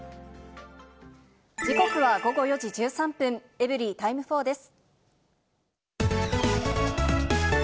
時刻は午後４時１３分、エブリィタイム４です。